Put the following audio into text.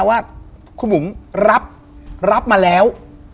ว่าคุณบุ๋มรับมาแล้ว